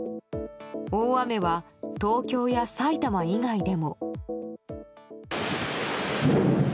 大雨は東京や埼玉以外でも。